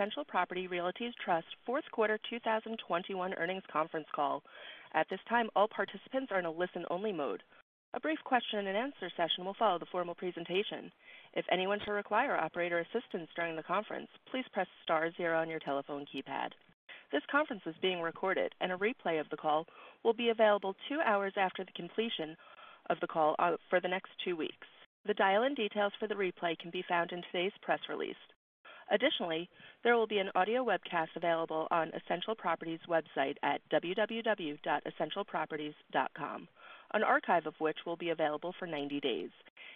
Essential Properties Realty Trust fourth quarter 2021 earnings conference call. At this time, all participants are in a listen-only mode. A brief question-and-answer session will follow the formal presentation. If anyone should require operator assistance during the conference, please press star zero on your telephone keypad. This conference is being recorded, and a replay of the call will be available two hours after the completion of the call for the next two weeks. The dial-in details for the replay can be found in today's press release. Additionally, there will be an audio webcast available on Essential Properties website at www.essentialproperties.com, an archive of which will be available for 90 days.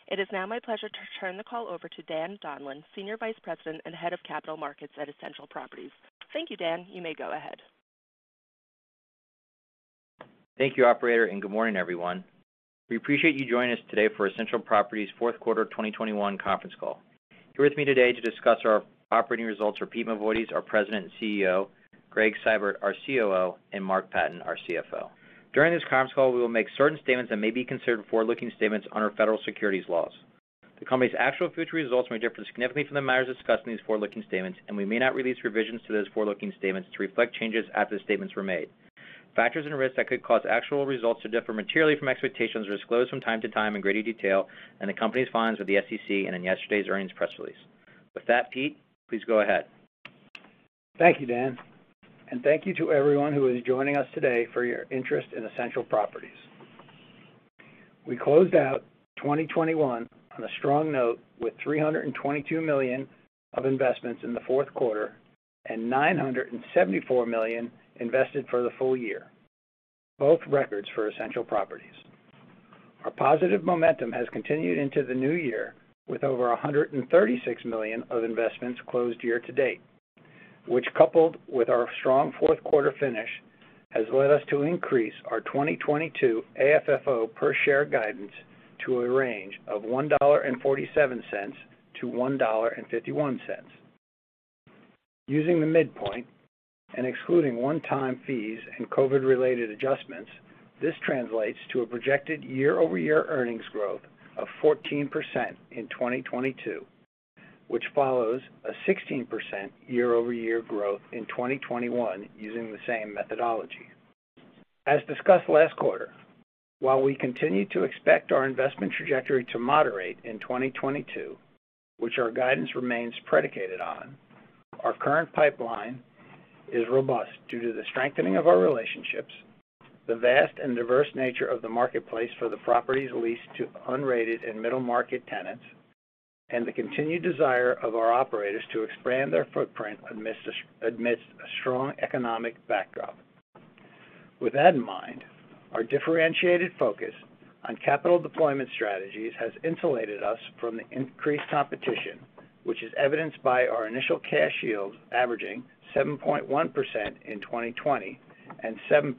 It is now my pleasure to turn the call over to Daniel Donlan, Senior Vice President and Head of Capital Markets at Essential Properties. Thank you, Dan. You may go ahead. Thank you, operator, and good morning, everyone. We appreciate you joining us today for Essential Properties' fourth quarter 2021 conference call. Here with me today to discuss our operating results are Peter Mavoides, our President and CEO, Gregg Seibert, our COO, and Mark Patten, our CFO. During this conference call, we will make certain statements that may be considered forward-looking statements under federal securities laws. The company's actual future results may differ significantly from the matters discussed in these forward-looking statements, and we may not release revisions to those forward-looking statements to reflect changes after the statements were made. Factors and risks that could cause actual results to differ materially from expectations are disclosed from time to time in greater detail in the company's filings with the SEC and in yesterday's earnings press release. With that, Pete, please go ahead. Thank you, Dan Donlan, and thank you to everyone who is joining us today for your interest in Essential Properties. We closed out 2021 on a strong note with $322 million of investments in the fourth quarter and $974 million invested for the full year, both records for Essential Properties. Our positive momentum has continued into the new year with over $136 million of investments closed year to date, which, coupled with our strong fourth quarter finish, has led us to increase our 2022 AFFO per share guidance to a range of $1.47-$1.51. Using the midpoint and excluding one-time fees and COVID-related adjustments, this translates to a projected year-over-year earnings growth of 14% in 2022, which follows a 16% year-over-year growth in 2021 using the same methodology. As discussed last quarter, while we continue to expect our investment trajectory to moderate in 2022, which our guidance remains predicated on, our current pipeline is robust due to the strengthening of our relationships, the vast and diverse nature of the marketplace for the properties leased to unrated and middle-market tenants, and the continued desire of our operators to expand their footprint amidst a strong economic backdrop. With that in mind, our differentiated focus on capital deployment strategies has insulated us from the increased competition, which is evidenced by our initial cash yield averaging 7.1% in 2020 and 7%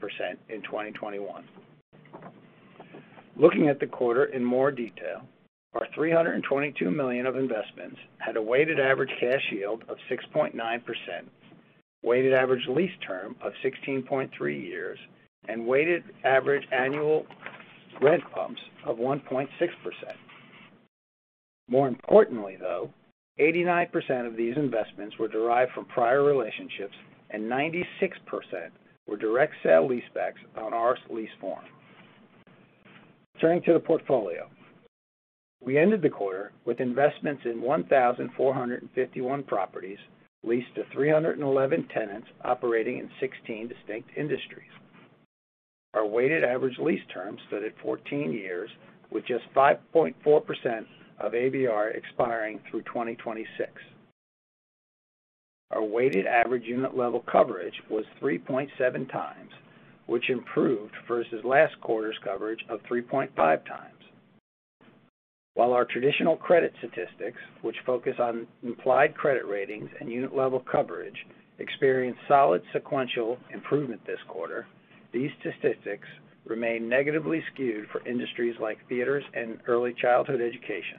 in 2021. Looking at the quarter in more detail, our $322 million of investments had a weighted average cash yield of 6.9%, weighted average lease term of 16.3 years, and weighted average annual rent bumps of 1.6%. More importantly, though, 89% of these investments were derived from prior relationships, and 96% were direct sale-leasebacks on our lease form. Turning to the portfolio, we ended the quarter with investments in 1,451 properties leased to 311 tenants operating in 16 distinct industries. Our weighted average lease terms stood at 14 years, with just 5.4% of ABR expiring through 2026. Our weighted average unit level coverage was 3.7x, which improved versus last quarter's coverage of 3.5x. While our traditional credit statistics, which focus on implied credit ratings and unit-level coverage, experienced solid sequential improvement this quarter, these statistics remain negatively skewed for industries like theaters and early childhood education,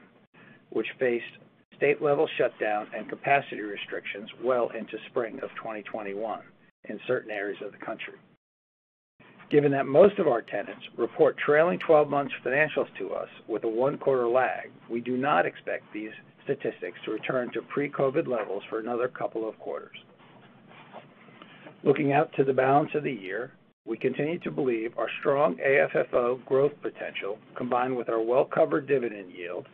which faced state-level shutdown and capacity restrictions well into spring of 2021 in certain areas of the country. Given that most of our tenants report trailing twelve months financials to us with a one-quarter lag, we do not expect these statistics to return to pre-COVID levels for another couple of quarters. Looking out to the balance of the year, we continue to believe our strong AFFO growth potential, combined with our well-covered dividend yield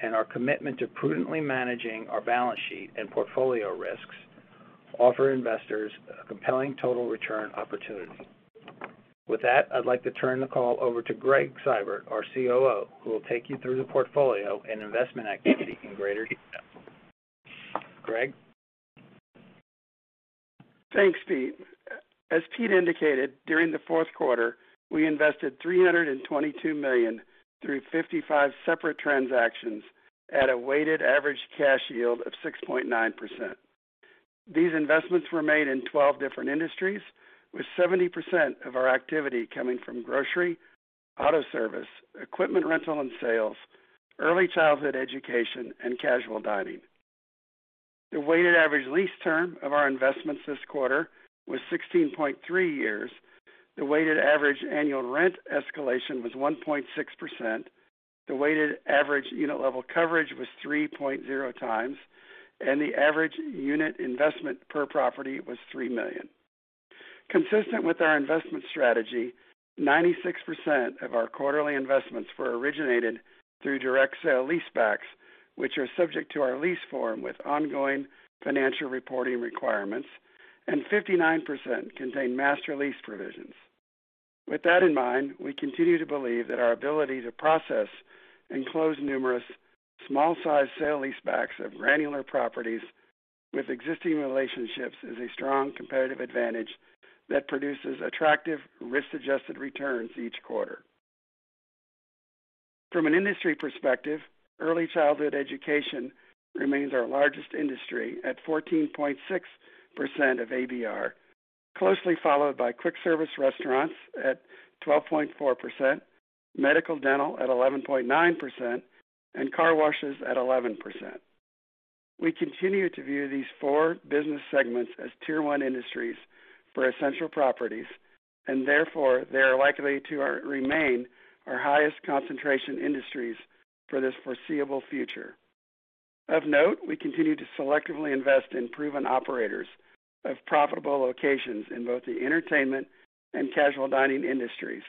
and our commitment to prudently managing our balance sheet and portfolio risks offer investors a compelling total return opportunity. With that, I'd like to turn the call over to Gregg Seibert, our COO, who will take you through the portfolio and investment activity in greater depth. Gregg? Thanks, Pete. As Pete indicated, during the fourth quarter, we invested $322 million through 55 separate transactions at a weighted average cash yield of 6.9%. These investments were made in 12 different industries, with 70% of our activity coming from grocery, auto service, equipment rental and sales, early childhood education, and casual dining. The weighted average lease term of our investments this quarter was 16.3 years. The weighted average annual rent escalation was 1.6%. The weighted average unit level coverage was 3.0x, and the average unit investment per property was $3 million. Consistent with our investment strategy, 96% of our quarterly investments were originated through direct sale-leasebacks, which are subject to our lease form with ongoing financial reporting requirements, and 59% contain master lease provisions. With that in mind, we continue to believe that our ability to process and close numerous small-sized sale-leasebacks of granular properties with existing relationships is a strong competitive advantage that produces attractive risk-adjusted returns each quarter. From an industry perspective, early childhood education remains our largest industry at 14.6% of ABR, closely followed by quick service restaurants at 12.4%, medical dental at 11.9%, and car washes at 11%. We continue to view these four business segments as tier one industries for Essential Properties, and therefore, they are likely to remain our highest concentration industries for this foreseeable future. Of note, we continue to selectively invest in proven operators of profitable locations in both the entertainment and casual dining industries,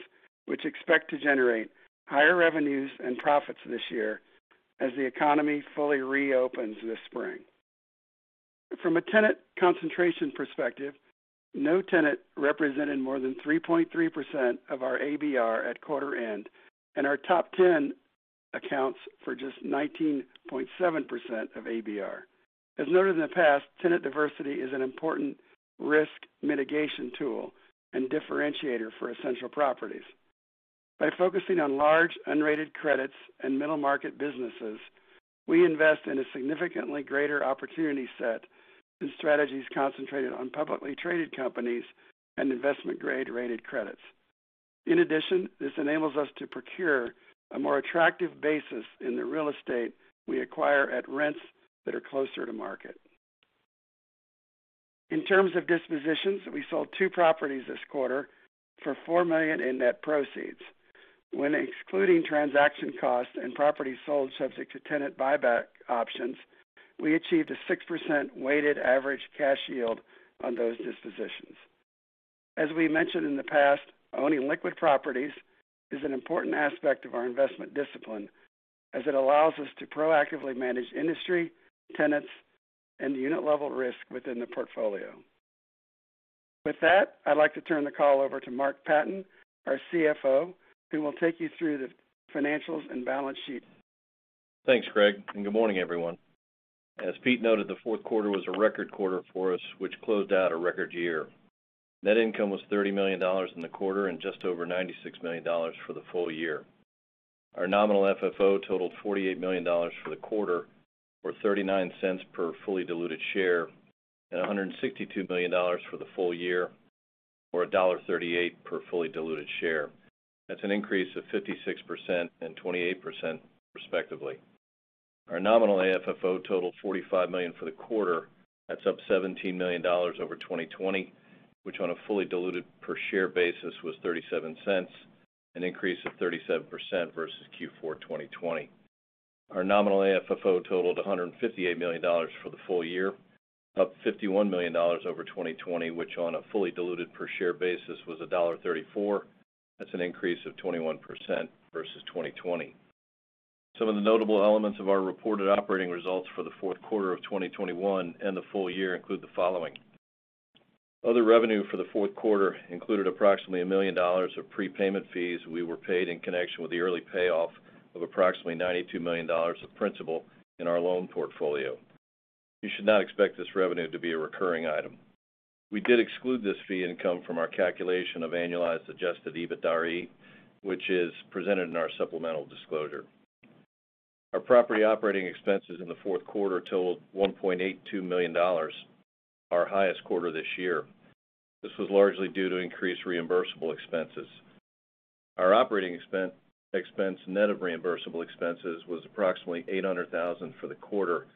which expect to generate higher revenues and profits this year as the economy fully reopens this spring. From a tenant concentration perspective, no tenant represented more than 3.3% of our ABR at quarter end, and our top 10 accounts for just 19.7% of ABR. As noted in the past, tenant diversity is an important risk mitigation tool and differentiator for Essential Properties. By focusing on large unrated credits and middle-market businesses, we invest in a significantly greater opportunity set than strategies concentrated on publicly traded companies and investment grade-rated credits. In addition, this enables us to procure a more attractive basis in the real estate we acquire at rents that are closer to market. In terms of dispositions, we sold two properties this quarter for $4 million in net proceeds. When excluding transaction costs and properties sold subject to tenant buyback options, we achieved a 6% weighted average cash yield on those dispositions. As we mentioned in the past, owning liquid properties is an important aspect of our investment discipline as it allows us to proactively manage industry, tenants, and unit-level risk within the portfolio. With that, I'd like to turn the call over to Mark Patten, our CFO, who will take you through the financials and balance sheet. Thanks, Gregg, and good morning, everyone. As Pete noted, the fourth quarter was a record quarter for us, which closed out a record year. Net income was $30 million in the quarter and just over $96 million for the full year. Our nominal FFO totaled $48 million for the quarter, or $0.39 per fully diluted share, and $162 million for the full year, or $1.38 per fully diluted share. That's an increase of 56% and 28%, respectively. Our nominal AFFO totaled $45 million for the quarter. That's up $17 million over 2020, which on a fully diluted per share basis was $0.37, an increase of 37% versus Q4 2020. Our nominal AFFO totaled $158 million for the full year, up $51 million over 2020, which on a fully diluted per-share basis was $1.34. That's an increase of 21% versus 2020. Some of the notable elements of our reported operating results for the fourth quarter of 2021 and the full year include the following. Other revenue for the fourth quarter included approximately $1 million of prepayment fees we were paid in connection with the early payoff of approximately $92 million of principal in our loan portfolio. You should not expect this revenue to be a recurring item. We did exclude this fee income from our calculation of annualized adjusted EBITDAre, which is presented in our supplemental disclosure. Our property operating expenses in the fourth quarter totaled $1.82 million, our highest quarter this year. This was largely due to increased reimbursable expenses. Our operating expense net of reimbursable expenses was approximately $800,000 for the quarter,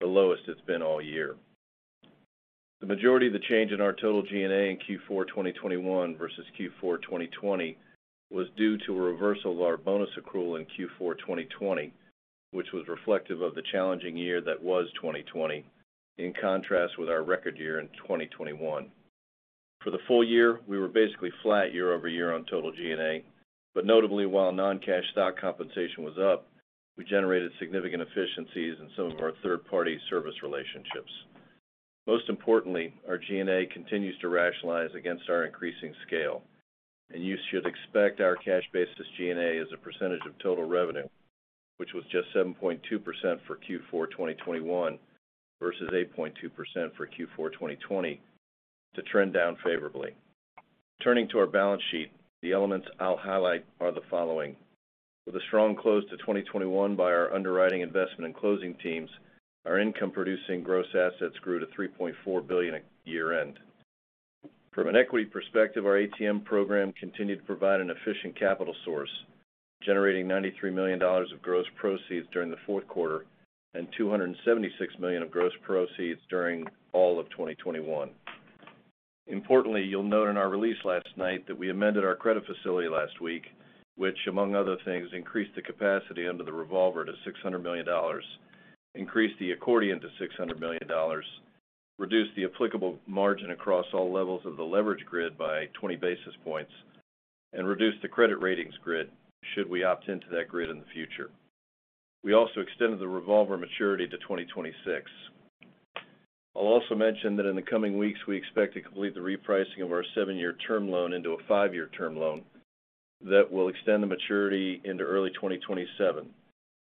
the lowest it's been all year. The majority of the change in our total G&A in Q4 2021 versus Q4 2020 was due to a reversal of our bonus accrual in Q4 2020, which was reflective of the challenging year that was 2020, in contrast with our record year in 2021. For the full year, we were basically flat year-over-year on total G&A. Notably, while non-cash stock compensation was up, we generated significant efficiencies in some of our third-party service relationships. Most importantly, our G&A continues to rationalize against our increasing scale, and you should expect our cash basis G&A as a percentage of total revenue, which was just 7.2% for Q4 2021 versus 8.2% for Q4 2020, to trend down favorably. Turning to our balance sheet, the elements I'll highlight are the following. With a strong close to 2021 by our underwriting investment and closing teams, our income-producing gross assets grew to $3.4 billion at year-end. From an equity perspective, our ATM program continued to provide an efficient capital source, generating $93 million of gross proceeds during the fourth quarter and $276 million of gross proceeds during all of 2021. Importantly, you'll note in our release last night that we amended our credit facility last week, which among other things, increased the capacity under the revolver to $600 million, increased the accordion to $600 million, reduced the applicable margin across all levels of the leverage grid by 20 basis points, and reduced the credit ratings grid should we opt into that grid in the future. We also extended the revolver maturity to 2026. I'll also mention that in the coming weeks, we expect to complete the repricing of our seven-year term loan into a five-year term loan that will extend the maturity into early 2027.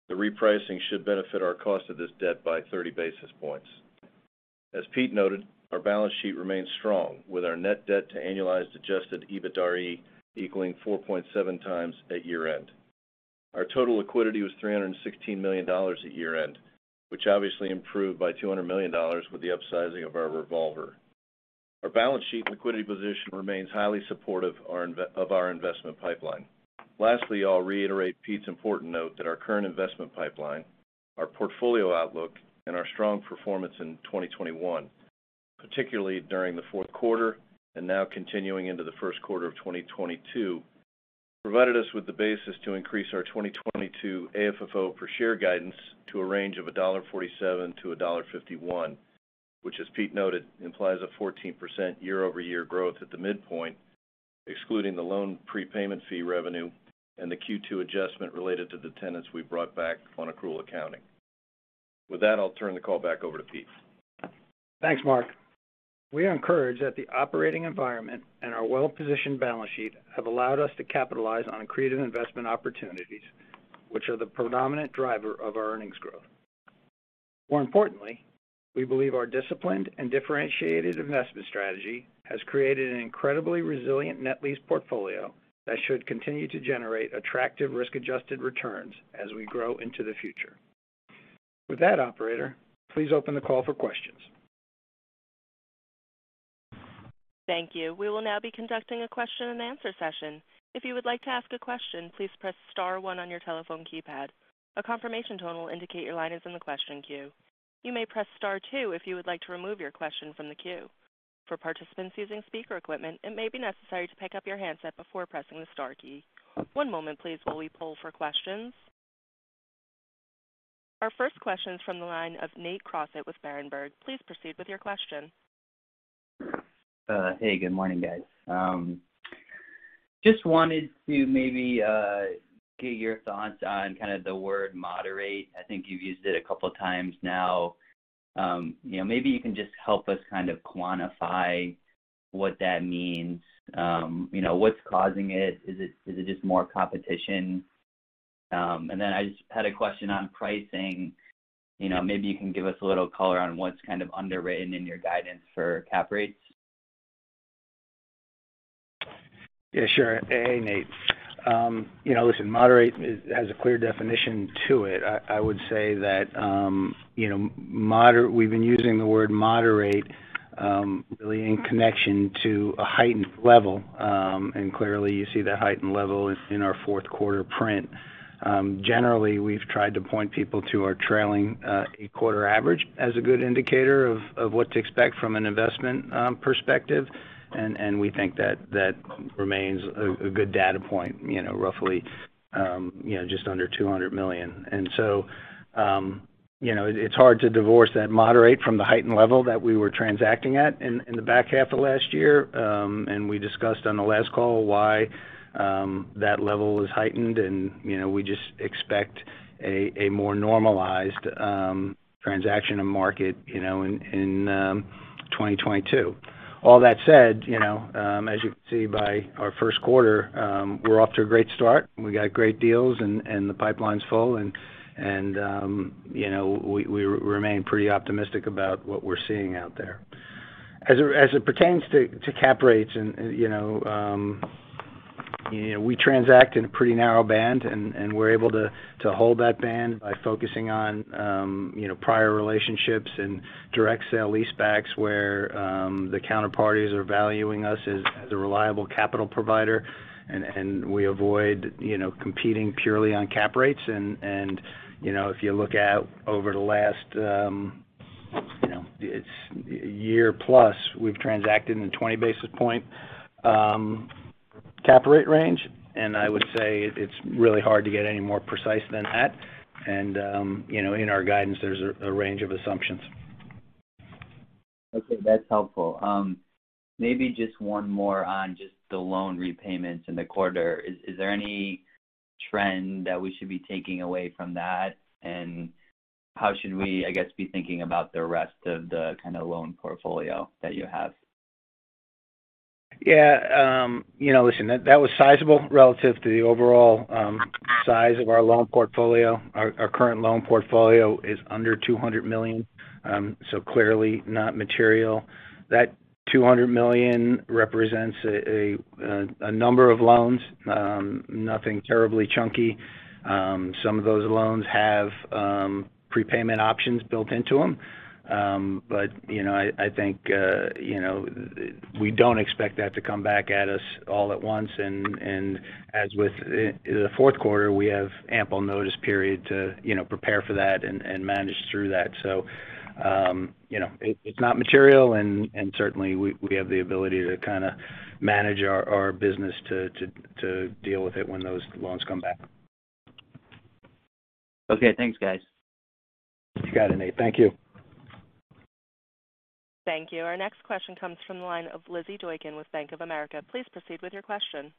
The repricing should benefit our cost of this debt by 30 basis points. As Pete noted, our balance sheet remains strong with our net debt to annualized adjusted EBITDAre equaling 4.7x at year-end. Our total liquidity was $316 million at year-end, which obviously improved by $200 million with the upsizing of our revolver. Our balance sheet and liquidity position remains highly supportive of our investment pipeline. Lastly, I'll reiterate Pete's important note that our current investment pipeline, our portfolio outlook, and our strong performance in 2021, particularly during the fourth quarter and now continuing into the first quarter of 2022, provided us with the basis to increase our 2022 AFFO per share guidance to a range of $1.47-$1.51. Which, as Pete noted, implies a 14% year-over-year growth at the midpoint, excluding the loan prepayment fee revenue and the Q2 adjustment related to the tenants we brought back on accrual accounting. With that, I'll turn the call back over to Pete. Thanks, Mark. We are encouraged that the operating environment and our well-positioned balance sheet have allowed us to capitalize on accretive investment opportunities, which are the predominant driver of our earnings growth. More importantly, we believe our disciplined and differentiated investment strategy has created an incredibly resilient net lease portfolio that should continue to generate attractive risk-adjusted returns as we grow into the future. With that, operator, please open the call for questions. Thank you. We will now be conducting a question and answer session. If you would like to ask a question, please press star one on your telephone keypad. A confirmation tone will indicate your line is in the question queue. You may press star two if you would like to remove your question from the queue. For participants using speaker equipment, it may be necessary to pick up your handset before pressing the star key. One moment please while we poll for questions. Our first question is from the line of Nate Crossett with Berenberg. Please proceed with your question. Hey, good morning, guys. Just wanted to maybe get your thoughts on kind of the word moderate. I think you've used it a couple of times now. You know, maybe you can just help us kind of quantify what that means. You know, what's causing it? Is it just more competition? I just had a question on pricing. You know, maybe you can give us a little color on what's kind of underwritten in your guidance for cap rates. Yeah, sure. Hey, Nate. Listen, moderate has a clear definition to it. I would say that, you know, we've been using the word moderate really in connection to a heightened level. Clearly, you see that heightened level is in our fourth quarter print. Generally, we've tried to point people to our trailing eight-quarter average as a good indicator of what to expect from an investment perspective. We think that that remains a good data point, you know, roughly just under $200 million. You know, it's hard to divorce that moderate from the heightened level that we were transacting at in the back half of last year. We discussed on the last call why that level is heightened and, you know, we just expect a more normalized transaction and market, you know, in 2022. All that said, you know, as you can see by our first quarter, we're off to a great start. We got great deals and you know, we remain pretty optimistic about what we're seeing out there. As it pertains to cap rates and, you know, we transact in a pretty narrow band, and we're able to hold that band by focusing on, you know, prior relationships and direct sale-leasebacks where the counterparties are valuing us as a reliable capital provider. We avoid, you know, competing purely on cap rates. You know, if you look out over the last year plus, we've transacted in a 20 basis point cap rate range. You know, in our guidance, there's a range of assumptions. Okay, that's helpful. Maybe just one more on just the loan repayments in the quarter. Is there any trend that we should be taking away from that? How should we, I guess, be thinking about the rest of the kind of loan portfolio that you have? Yeah. You know, listen, that was sizable relative to the overall size of our loan portfolio. Our current loan portfolio is under $200 million, so clearly not material. That $200 million represents a number of loans, nothing terribly chunky. Some of those loans have prepayment options built into them. But you know, I think you know, we don't expect that to come back at us all at once. And as with the fourth quarter, we have ample notice period to you know, prepare for that and manage through that. So you know, it's not material and certainly we have the ability to kind of manage our business to deal with it when those loans come back. Okay. Thanks, guys. You got it, Nate. Thank you. Thank you. Our next question comes from the line of Lizzy Doykan with Bank of America. Please proceed with your question.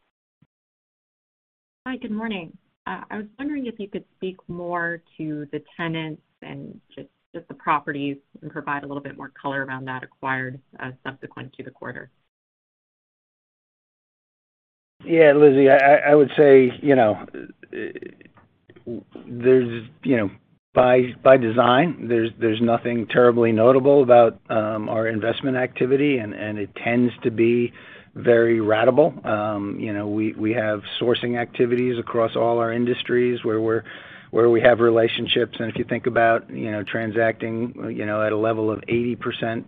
Hi, good morning. I was wondering if you could speak more to the tenants and just the properties and provide a little bit more color around that acquired subsequent to the quarter. Yeah, Lizzy, I would say, you know, there's, you know, by design, there's nothing terribly notable about our investment activity, and it tends to be very ratable. You know, we have sourcing activities across all our industries where we have relationships. If you think about, you know, transacting, you know, at a level of 80%+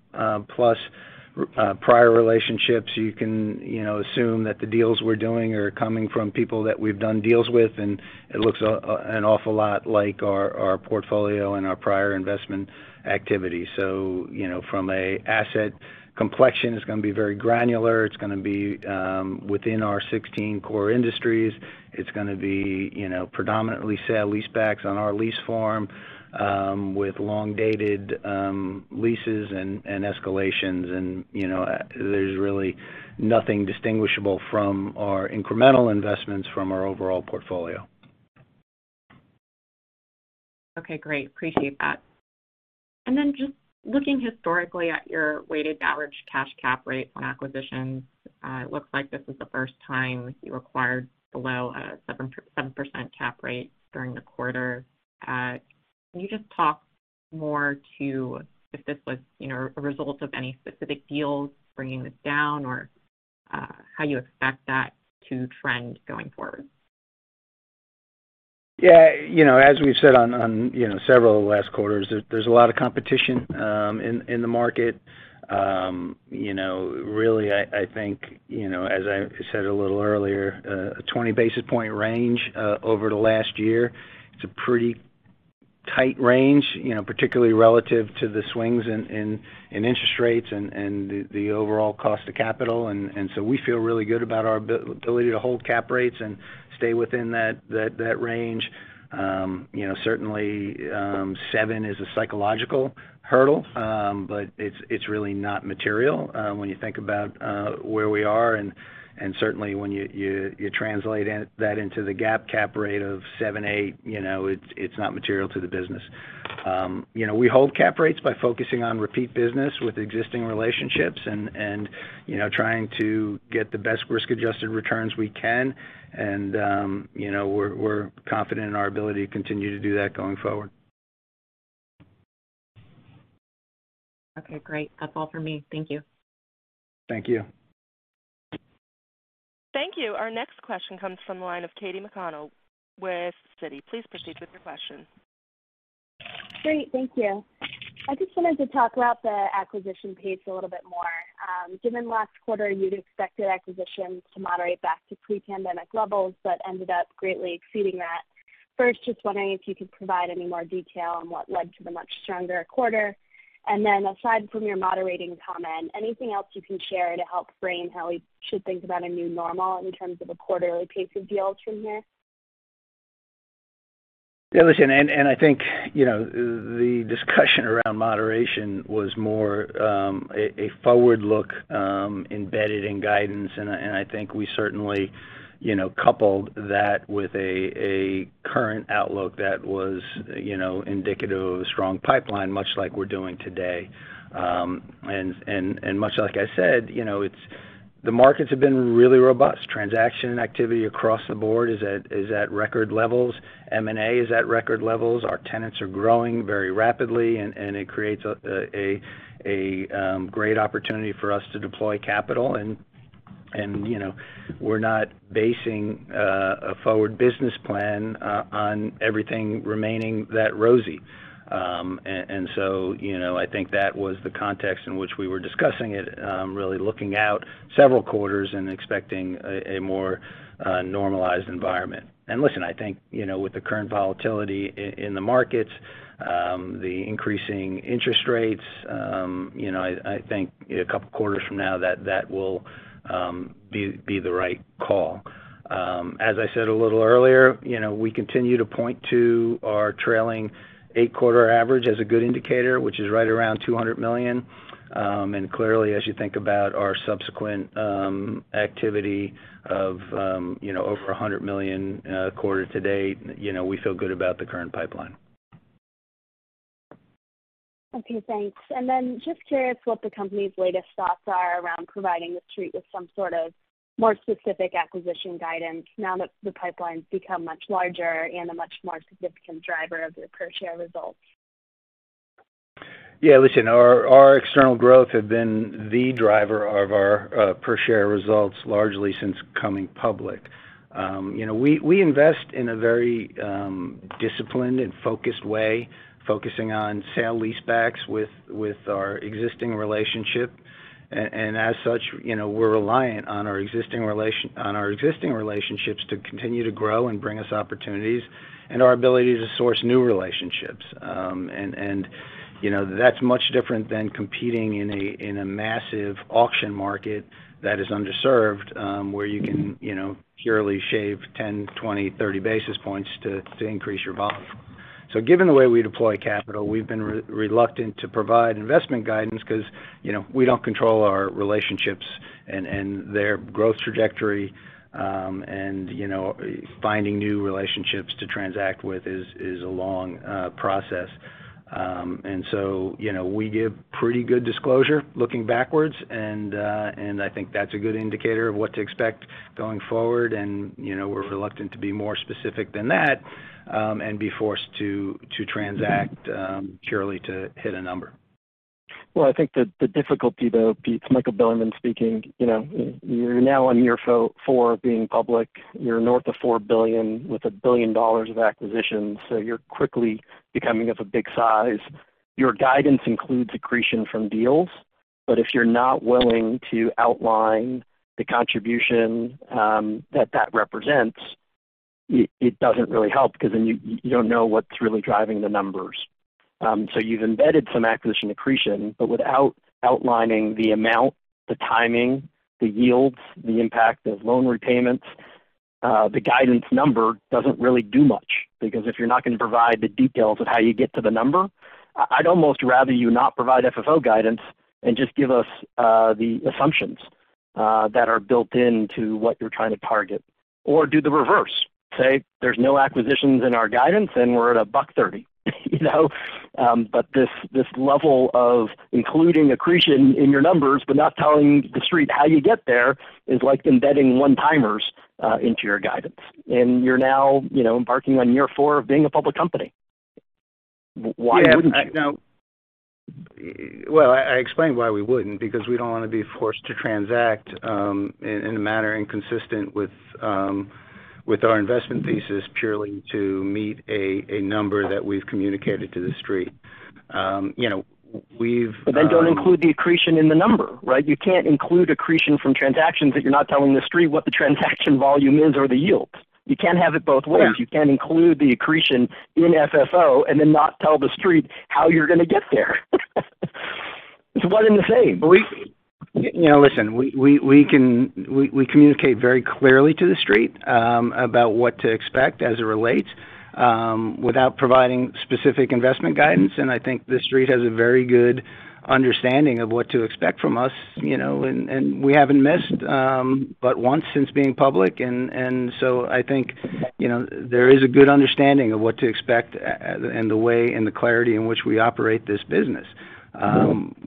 prior relationships, you can, you know, assume that the deals we're doing are coming from people that we've done deals with, and it looks an awful lot like our portfolio and our prior investment activity. You know, from an asset complexion, it's gonna be very granular. It's gonna be within our 16 core industries. It's gonna be, you know, predominantly sale-leasebacks on our lease form with long-dated leases and escalations. You know, there's really nothing distinguishable from our incremental investments from our overall portfolio. Okay, great. Appreciate that. Just looking historically at your weighted average cash cap rates on acquisitions, it looks like this is the first time you acquired below a 7% cap rate during the quarter. Can you just talk more to if this was, you know, a result of any specific deals bringing this down or how you expect that to trend going forward? Yeah, you know, as we've said on you know several of the last quarters, there's a lot of competition in the market. You know, really I think, you know, as I said a little earlier, a 20 basis point range over the last year, it's a pretty tight range, you know, particularly relative to the swings in interest rates and the overall cost of capital. We feel really good about our ability to hold cap rates and stay within that range. You know, certainly, 7% is a psychological hurdle, but it's really not material when you think about where we are and certainly when you translate that into the GAAP cap rate of 7%-8%. You know, it's not material to the business. You know, we hold cap rates by focusing on repeat business with existing relationships and you know, trying to get the best risk-adjusted returns we can. You know, we're confident in our ability to continue to do that going forward. Okay, great. That's all for me. Thank you. Thank you. Thank you. Our next question comes from the line of Katy McConnell with Citi. Please proceed with your question. Great. Thank you. I just wanted to talk about the acquisition pace a little bit more. Given last quarter, you'd expected acquisitions to moderate back to pre-pandemic levels, but ended up greatly exceeding that. First, just wondering if you could provide any more detail on what led to the much stronger quarter. Aside from your moderating comment, anything else you can share to help frame how we should think about a new normal in terms of a quarterly pace of deals from here? Yeah, listen. I think you know the discussion around moderation was more a forward look embedded in guidance. I think we certainly you know coupled that with a current outlook that was you know indicative of a strong pipeline, much like we're doing today. Much like I said, you know. The markets have been really robust. Transaction activity across the board is at record levels. M&A is at record levels. Our tenants are growing very rapidly and it creates a great opportunity for us to deploy capital. You know, we're not basing a forward business plan on everything remaining that rosy. You know, I think that was the context in which we were discussing it, really looking out several quarters and expecting a more normalized environment. Listen, I think, you know, with the current volatility in the markets, the increasing interest rates, you know, I think a couple quarters from now that will be the right call. As I said a little earlier, you know, we continue to point to our trailing eight-quarter average as a good indicator, which is right around $200 million. Clearly, as you think about our subsequent activity of, you know, over $100 million quarter to date, you know, we feel good about the current pipeline. Okay, thanks. Just curious what the company's latest thoughts are around providing the Street with some sort of more specific acquisition guidance now that the pipeline's become much larger and a much more significant driver of your per share results? Yeah. Listen, our external growth has been the driver of our per share results largely since coming public. You know, we invest in a very disciplined and focused way, focusing on sale-leasebacks with our existing relationship. As such, you know, we're reliant on our existing relationships to continue to grow and bring us opportunities and our ability to source new relationships. You know, that's much different than competing in a massive auction market that is underserved, where you can purely shave 10, 20, 30 basis points to increase your volume. Given the way we deploy capital, we've been reluctant to provide investment guidance because, you know, we don't control our relationships and their growth trajectory. You know, finding new relationships to transact with is a long process. You know, we give pretty good disclosure looking backwards and I think that's a good indicator of what to expect going forward. You know, we're reluctant to be more specific than that and be forced to transact purely to hit a number. Well, I think the difficulty, though, Pete, it's Michael Bilerman speaking, you know, you're now on year four being public. You're north of $4 billion with $1 billion of acquisitions, so you're quickly becoming of a big size. Your guidance includes accretion from deals. If you're not willing to outline the contribution that represents, it doesn't really help because then you don't know what's really driving the numbers. So you've embedded some acquisition accretion, but without outlining the amount, the timing, the yields, the impact of loan repayments, the guidance number doesn't really do much. Because if you're not going to provide the details of how you get to the number, I'd almost rather you not provide FFO guidance and just give us the assumptions that are built into what you're trying to target. Do the reverse, say, "There's no acquisitions in our guidance, and we're at $1.30." You know? This level of including accretion in your numbers but not telling the street how you get there is like embedding one-timers into your guidance. You're now, you know, embarking on year four of being a public company. Why wouldn't you? Well, I explained why we wouldn't, because we don't want to be forced to transact in a manner inconsistent with our investment thesis purely to meet a number that we've communicated to the street. You know, we've. Don't include the accretion in the number, right? You can't include accretion from transactions that you're not telling the street what the transaction volume is or the yields. You can't have it both ways. Sure. You can't include the accretion in FFO and then not tell the street how you're gonna get there. It's one and the same. You know, listen, we communicate very clearly to the street about what to expect as it relates without providing specific investment guidance, and I think the street has a very good understanding of what to expect from us, you know, and we haven't missed but once since being public. I think, you know, there is a good understanding of what to expect and the way and the clarity in which we operate this business.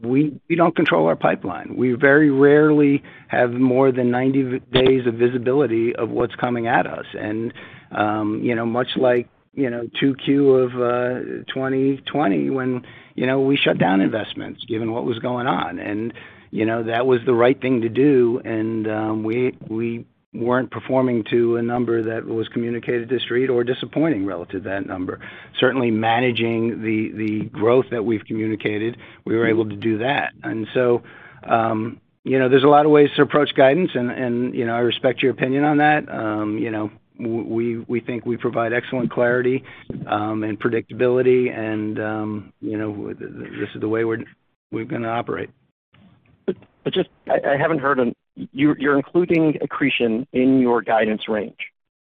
We don't control our pipeline. We very rarely have more than 90 days of visibility of what's coming at us. You know, much like 2Q of 2020 when, you know, we shut down investments given what was going on and, you know, that was the right thing to do. We weren't performing to a number that was communicated to the street or disappointing relative to that number. Certainly, managing the growth that we've communicated, we were able to do that. You know, there's a lot of ways to approach guidance, you know, I respect your opinion on that. You know, we think we provide excellent clarity and predictability, you know, this is the way we're gonna operate. Just, I haven't heard. You're including accretion in your guidance range,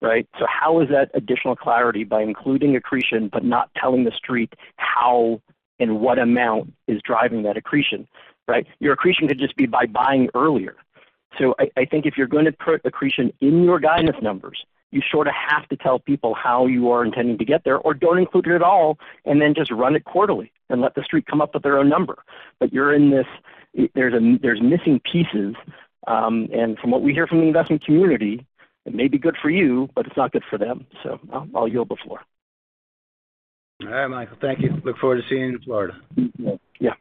right? How is that additional clarity by including accretion but not telling the street how and what amount is driving that accretion, right? Your accretion could just be by buying earlier. I think if you're gonna put accretion in your guidance numbers, you sort of have to tell people how you are intending to get there or don't include it at all and then just run it quarterly and let the street come up with their own number. You're in this. There's missing pieces, and from what we hear from the investment community, it may be good for you, but it's not good for them. I'll yield the floor. All right, Michael, thank you. I look forward to seeing you in Florida. Yeah.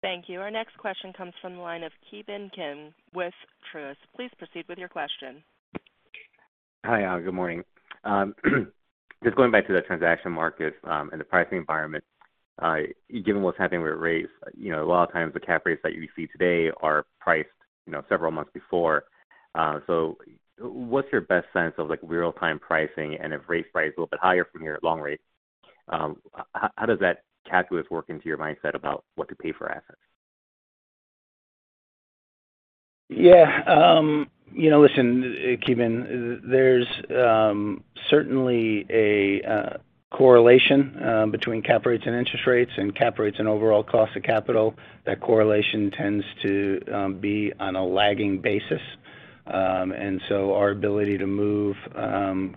Thank you. Our next question comes from the line of Ki Bin Kim with Truist. Please proceed with your question. Hi, good morning. Just going back to the transaction market and the pricing environment. Given what's happening with rates, you know, a lot of times the cap rates that you see today are priced, you know, several months before. What's your best sense of, like, real-time pricing and if rates rise a little bit higher than your long rate, how does that calculus work into your mindset about what to pay for assets? Yeah. You know, listen, Ki Bin Kim, there's certainly a correlation between cap rates and interest rates and cap rates and overall cost of capital. That correlation tends to be on a lagging basis. Our ability to move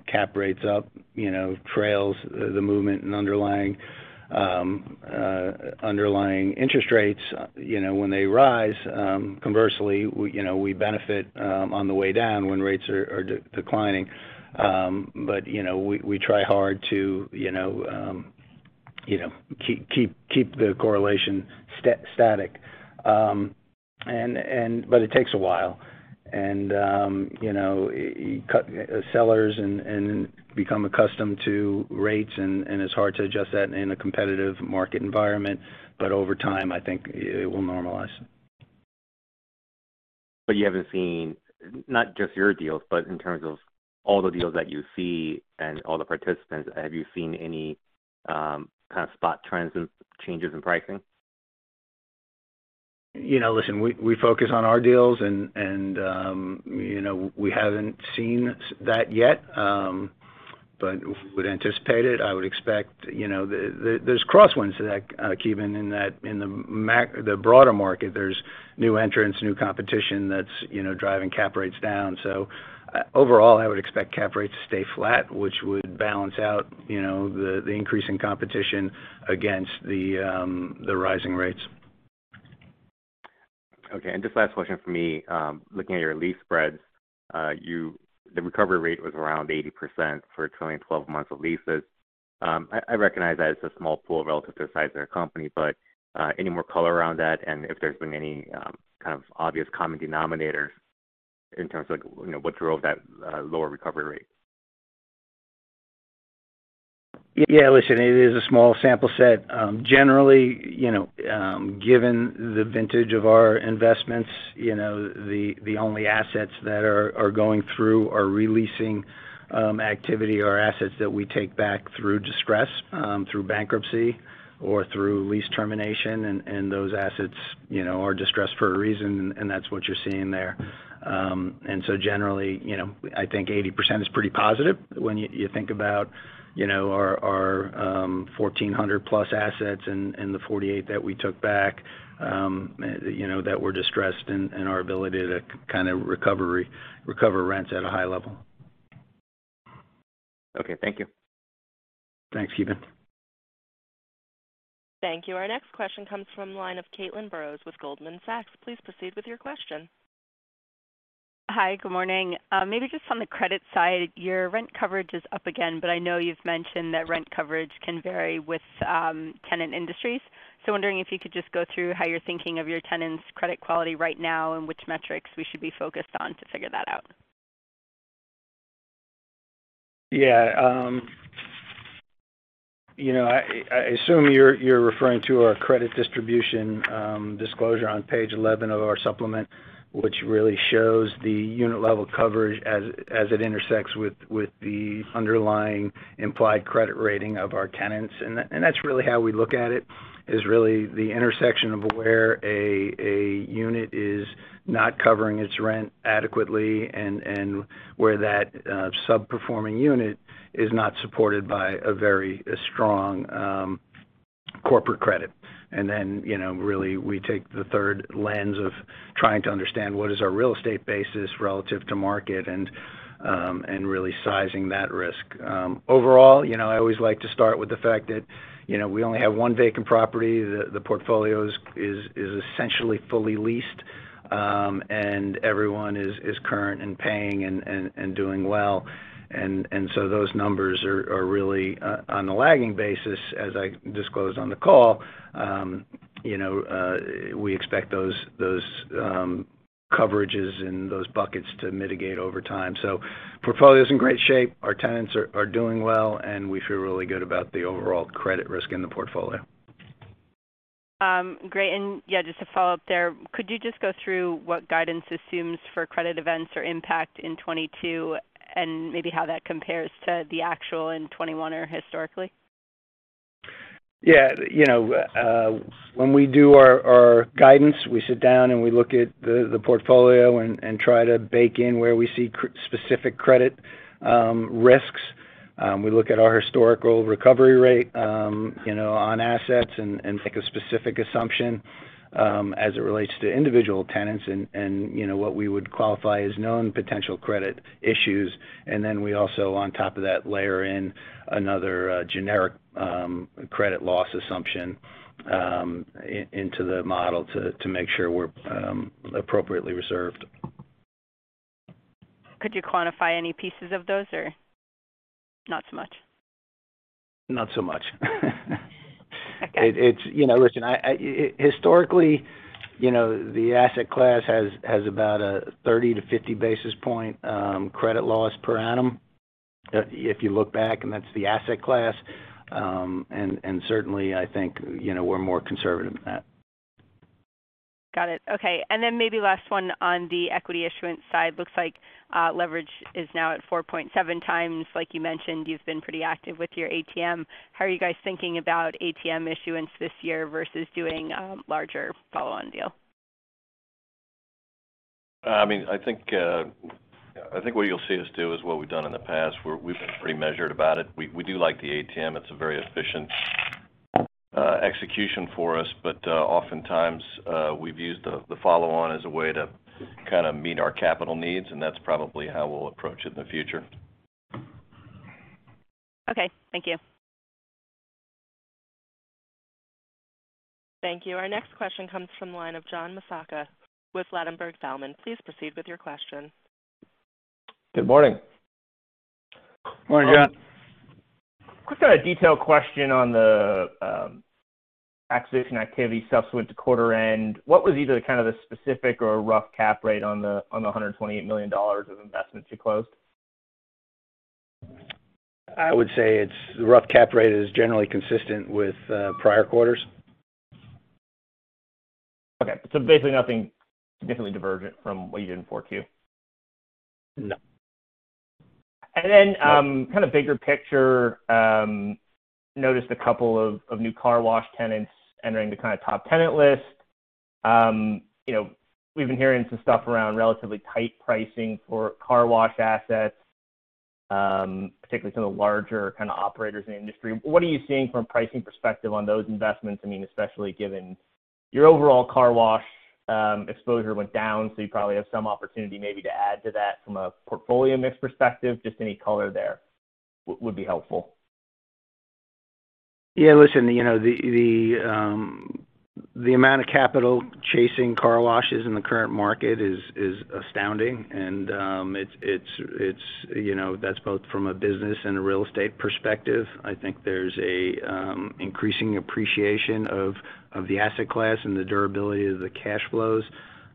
cap rates up, you know, trails the movement in underlying interest rates, you know, when they rise. Conversely, we benefit on the way down when rates are declining. But, you know, we try hard to keep the correlation static. But it takes a while. Current sellers become accustomed to rates and it's hard to adjust that in a competitive market environment, but over time, I think it will normalize. You haven't seen, not just your deals, but in terms of all the deals that you see and all the participants, have you seen any kind of spot trends and changes in pricing? You know, listen, we focus on our deals and, you know, we haven't seen that yet, but would anticipate it. I would expect, you know, there's crosswinds to that, Ki Bin, in that the broader market, there's new entrants, new competition that's, you know, driving cap rates down. Overall I would expect cap rates to stay flat, which would balance out, you know, the increase in competition against the rising rates. Okay. Just last question from me, looking at your lease spreads, the recovery rate was around 80% for a trailing twelve months of leases. I recognize that it's a small pool relative to the size of their company, but any more color around that and if there's been any kind of obvious common denominators in terms of, you know, what drove that lower recovery rate? Yeah. Listen, it is a small sample set. Generally, you know, given the vintage of our investments, you know, the only assets that are going through are re-leasing activity or assets that we take back through distress, through bankruptcy, or through lease termination. Those assets, you know, are distressed for a reason, and that's what you're seeing there. Generally, you know, I think 80% is pretty positive when you think about, you know, our 1,400+ assets and the 48 that we took back, you know, that were distressed and our ability to kind of recover rents at a high level. Okay, thank you. Thanks, Ki Bin. Thank you. Our next question comes from the line of Caitlin Burrows with Goldman Sachs. Please proceed with your question. Hi. Good morning. Maybe just on the credit side, your rent coverage is up again, but I know you've mentioned that rent coverage can vary with tenant industries. Wondering if you could just go through how you're thinking of your tenants' credit quality right now and which metrics we should be focused on to figure that out. Yeah. You know, I assume you're referring to our credit distribution disclosure on page 11 of our supplement, which really shows the unit level coverage as it intersects with the underlying implied credit rating of our tenants. That's really how we look at it, is really the intersection of where a unit is not covering its rent adequately and where that sub-performing unit is not supported by a very strong corporate credit. You know, really we take the third lens of trying to understand what is our real estate basis relative to market and really sizing that risk. Overall, you know, I always like to start with the fact that, you know, we only have one vacant property. The portfolio is essentially fully leased, and everyone is current in paying and doing well. Those numbers are really on a lagging basis, as I disclosed on the call. You know, we expect those coverages in those buckets to mitigate over time. Portfolio is in great shape, our tenants are doing well, and we feel really good about the overall credit risk in the portfolio. Great. Yeah, just to follow up there, could you just go through what guidance assumes for credit events or impact in 2022 and maybe how that compares to the actual in 2021 or historically? Yeah. You know, when we do our guidance, we sit down and we look at the portfolio and try to bake in where we see specific credit risks. We look at our historical recovery rate, you know, on assets and take a specific assumption as it relates to individual tenants and, you know, what we would qualify as known potential credit issues. Then we also on top of that layer in another generic credit loss assumption into the model to make sure we're appropriately reserved. Could you quantify any pieces of those or not so much? Not so much. Okay. You know, listen, historically, you know, the asset class has about a 30-50 basis points credit loss per annum if you look back, and that's the asset class. Certainly I think, you know, we're more conservative than that. Got it. Okay. Maybe last one on the equity issuance side. Looks like, leverage is now at 4.7x. Like you mentioned, you've been pretty active with your ATM. How are you guys thinking about ATM issuance this year versus doing larger follow-on deal? I mean, I think what you'll see us do is what we've done in the past, where we've been pretty measured about it. We do like the ATM. It's a very efficient execution for us. But oftentimes, we've used the follow-on as a way to kind of meet our capital needs, and that's probably how we'll approach it in the future. Okay. Thank you. Thank you. Our next question comes from the line of John Massocca with Ladenburg Thalmann. Please proceed with your question. Good morning. Morning, John. Quick kind of detailed question on the acquisition activity subsequent to quarter end. What was either kind of the specific or rough cap rate on the $128 million of investments you closed? I would say it's the rough cap rate is generally consistent with prior quarters. Okay. Basically nothing significantly divergent from what you did in 4Q? No. Then, kind of bigger picture, noticed a couple of new car wash tenants entering the kind of top tenant list. You know, we've been hearing some stuff around relatively tight pricing for car wash assets, particularly some of the larger kind of operators in the industry. What are you seeing from a pricing perspective on those investments? I mean, especially given your overall car wash exposure went down, so you probably have some opportunity maybe to add to that from a portfolio mix perspective. Just any color there would be helpful. Yeah. Listen, you know, the amount of capital chasing car washes in the current market is astounding. It's astounding. You know, that's both from a business and a real estate perspective. I think there's a increasing appreciation of the asset class and the durability of the cash flows.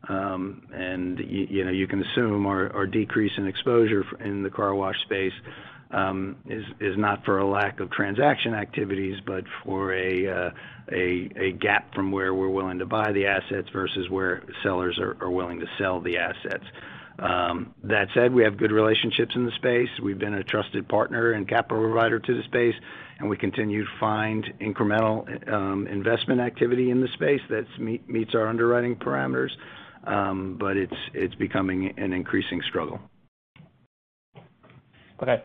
You know, you can assume our decrease in exposure in the car wash space is not for a lack of transaction activities, but for a gap from where we're willing to buy the assets versus where sellers are willing to sell the assets. That said, we have good relationships in the space. We've been a trusted partner and capital provider to the space, and we continue to find incremental investment activity in the space that's meets our underwriting parameters. It's becoming an increasing struggle. Okay.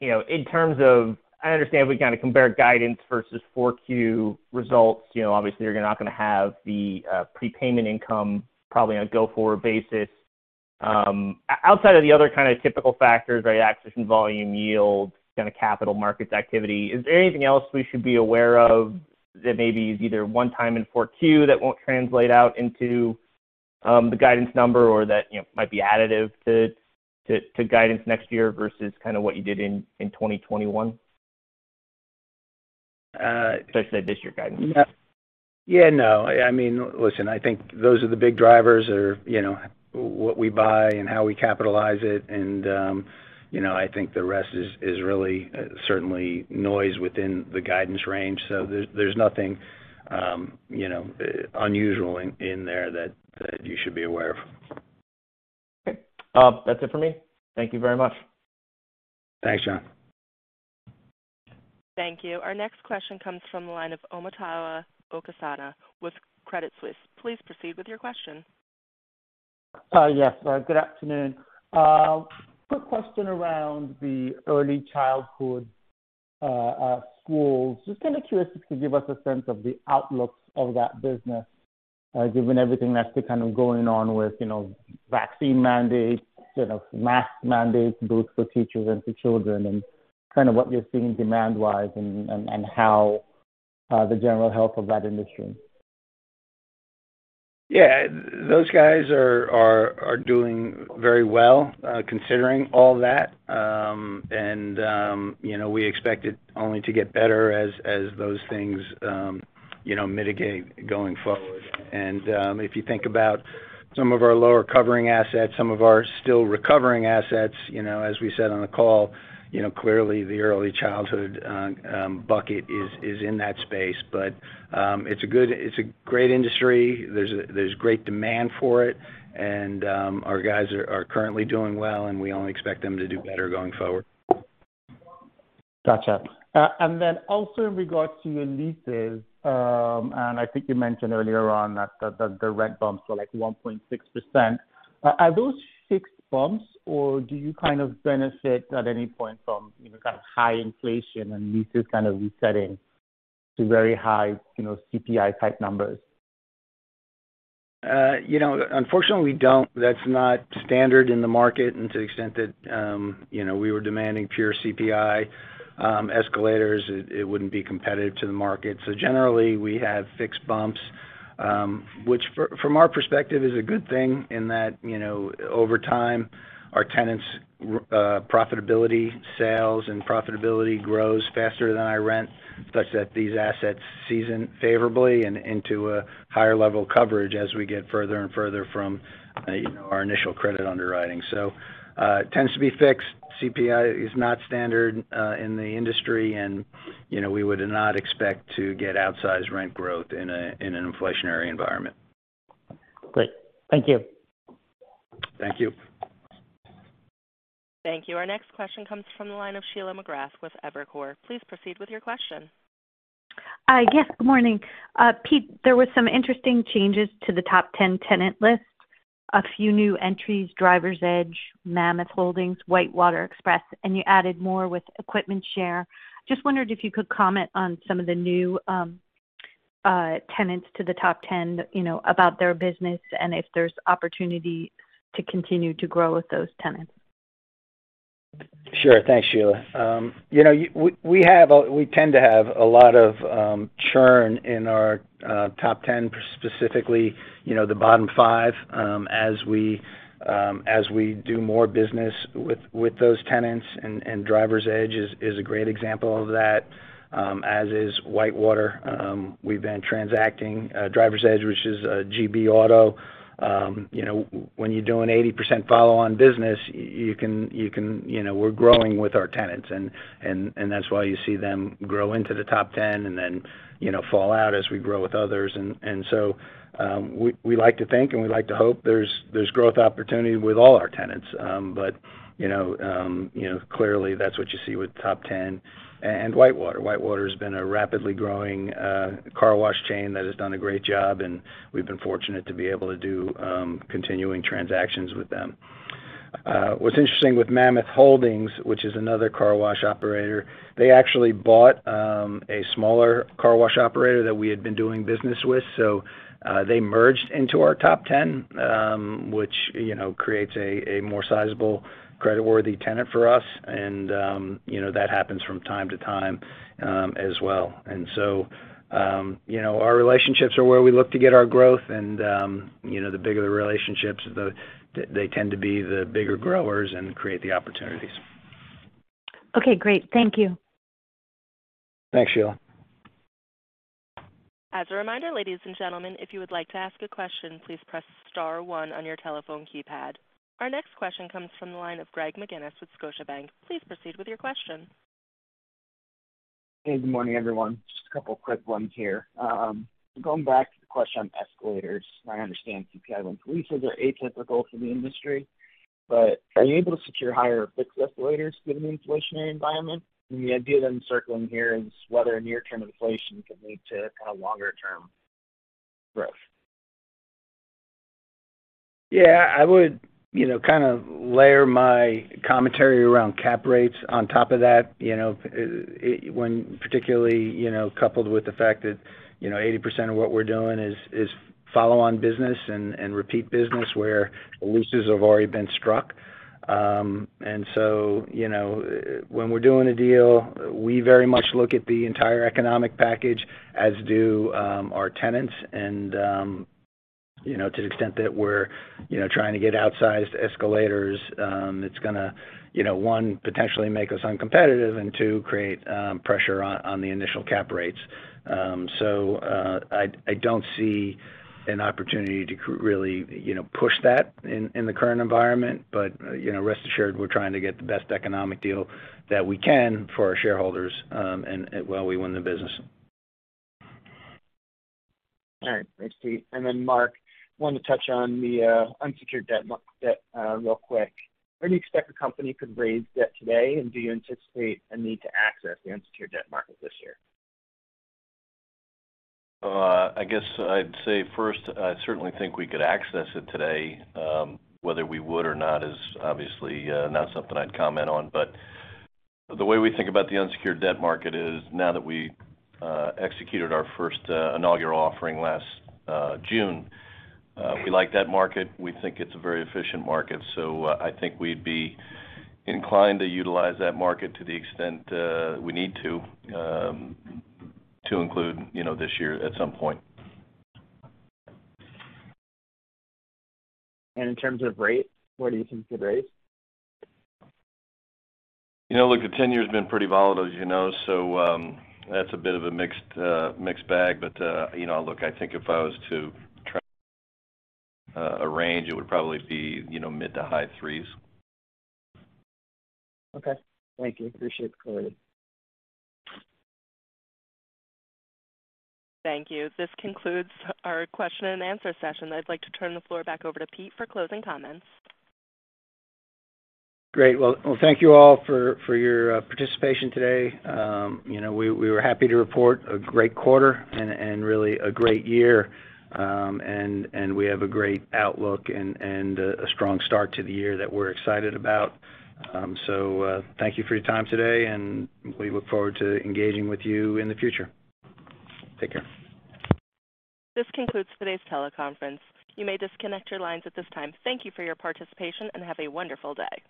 You know, in terms of, I understand we kind of compare guidance versus 4Q results. You know, obviously you're not gonna have the prepayment income probably on a go-forward basis. Outside of the other kind of typical factors, right, acquisition volume, yield, kind of capital markets activity, is there anything else we should be aware of that maybe is either one-time in 4Q that won't translate out into the guidance number or that, you know, might be additive to guidance next year versus kind of what you did in 2021? Uh- Should I say this year guidance? Yeah, no. I mean, listen, I think those are the big drivers, you know, what we buy and how we capitalize it. You know, I think the rest is really certainly noise within the guidance range. There's nothing, you know, unusual in there that you should be aware of. Okay. That's it for me. Thank you very much. Thanks, John. Thank you. Our next question comes from the line of Omotayo Okusanya with Credit Suisse. Please proceed with your question. Yes. Good afternoon. Quick question around the early childhood schools. Just kind of curious if you could give us a sense of the outlook of that business, given everything that's been kind of going on with, you know, vaccine mandates, you know, mask mandates, both for teachers and for children, and kind of what you're seeing demand-wise and how the general health of that industry. Yeah. Those guys are doing very well, considering all that. You know, we expect it only to get better as those things, you know, mitigate going forward. If you think about some of our lower coverage assets, some of our still recovering assets, you know, as we said on the call, you know, clearly the early childhood bucket is in that space. It's a great industry. There's great demand for it, and our guys are currently doing well, and we only expect them to do better going forward. Gotcha. Also in regards to your leases, I think you mentioned earlier on that the rent bumps were, like, 1.6%. Are those fixed bumps, or do you kind of benefit at any point from, you know, kind of high inflation and leases kind of resetting to very high, you know, CPI-type numbers? You know, unfortunately we don't. That's not standard in the market. To the extent that, you know, we were demanding pure CPI escalators, it wouldn't be competitive to the market. Generally, we have fixed bumps, which from our perspective is a good thing in that, you know, over time, our tenants' profitability, sales and profitability grows faster than our rent such that these assets season favorably and into a higher level coverage as we get further and further from you know, our initial credit underwriting. It tends to be fixed. CPI is not standard in the industry and, you know, we would not expect to get outsized rent growth in an inflationary environment. Great. Thank you. Thank you. Thank you. Our next question comes from the line of Sheila McGrath with Evercore. Please proceed with your question. Yes. Good morning. Pete, there were some interesting changes to the top ten tenant list. A few new entries, Driver's Edge, Mammoth Holdings, WhiteWater Express, and you added more with EquipmentShare. Just wondered if you could comment on some of the new tenants to the top ten, you know, about their business and if there's opportunity to continue to grow with those tenants. Sure. Thanks, Sheila. You know, we tend to have a lot of churn in our top ten specifically, you know, the bottom five, as we do more business with those tenants, and Driver's Edge is a great example of that, as is WhiteWater. We've been transacting Driver's Edge, which is GB Auto. You know, when you're doing 80% follow-on business, you can. You know, we're growing with our tenants and that's why you see them grow into the top ten and then, you know, fall out as we grow with others. We like to think and we like to hope there's growth opportunity with all our tenants. You know, you know, clearly that's what you see with top ten and WhiteWater. WhiteWater has been a rapidly growing car wash chain that has done a great job, and we've been fortunate to be able to do continuing transactions with them. What's interesting with Mammoth Holdings, which is another car wash operator, they actually bought a smaller car wash operator that we had been doing business with, so they merged into our top ten, which, you know, creates a more sizable creditworthy tenant for us. You know, that happens from time to time as well. You know, our relationships are where we look to get our growth and, you know, the bigger the relationships, they tend to be the bigger growers and create the opportunities. Okay, great. Thank you. Thanks, Sheila. As a reminder, ladies and gentlemen, if you would like to ask a question, please press star one on your telephone keypad. Our next question comes from the line of Greg McGinniss with Scotiabank. Please proceed with your question. Hey, good morning, everyone. Just a couple quick ones here. Going back to the question on escalators. My understanding CPI releases are atypical for the industry, but are you able to secure higher fixed escalators given the inflationary environment? The idea that I'm circling here is whether near-term inflation could lead to kinda longer term growth. Yeah, I would, you know, kind of layer my commentary around cap rates on top of that, you know, when particularly, you know, coupled with the fact that, you know, 80% of what we're doing is follow-on business and repeat business where leases have already been struck. You know, when we're doing a deal, we very much look at the entire economic package, as do our tenants and, you know, to the extent that we're, you know, trying to get outsized escalators, it's gonna, you know, one, potentially make us uncompetitive and two, create pressure on the initial cap rates. I don't see an opportunity to really, you know, push that in the current environment. You know, rest assured we're trying to get the best economic deal that we can for our shareholders, and while we win the business. All right. Thanks, Pete. Mark, I wanted to touch on the unsecured debt real quick. Where do you expect the company could raise debt today? Do you anticipate a need to access the unsecured debt market this year? I guess I'd say first, I certainly think we could access it today. Whether we would or not is obviously not something I'd comment on. The way we think about the unsecured debt market is now that we executed our first inaugural offering last June, we like that market. We think it's a very efficient market. I think we'd be inclined to utilize that market to the extent we need to incur you know this year at some point. In terms of rates, where do you think the rates? You know, look, the 10-year has been pretty volatile, as you know, so that's a bit of a mixed bag. You know, look, I think if I was to try a range, it would probably be, you know, mid to high threes. Okay. Thank you. Appreciate the clarity. Thank you. This concludes our question and answer session. I'd like to turn the floor back over to Pete for closing comments. Great. Well, thank you all for your participation today. You know, we were happy to report a great quarter and really a great year. We have a great outlook and a strong start to the year that we're excited about. Thank you for your time today, and we look forward to engaging with you in the future. Take care. This concludes today's teleconference. You may disconnect your lines at this time. Thank you for your participation, and have a wonderful day.